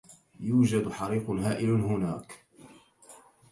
يوجد حريق هائل هناك.